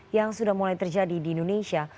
yang sudah mulai terjadi di indonesia